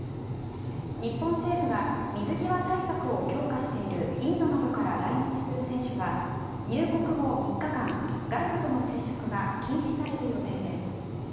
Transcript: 日本政府が水際対策を強化しているインドなどから来日する選手は入国後３日間、外部との接触が禁止される予定です。